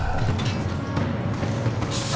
貴様！